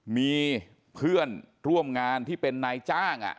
มีเพื่อนร่วมงานที่เป็นนายจ้าง